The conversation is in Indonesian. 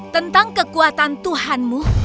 tentang kekuatan tuhanmu